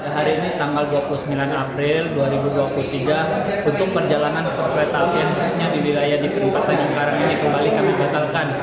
hari ini tanggal dua puluh sembilan april dua ribu dua puluh tiga untuk perjalanan kereta api yang disenyatkan di wilayah di peribatan yang kembali kami batalkan